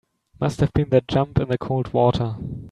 Must have been that jump in the cold water.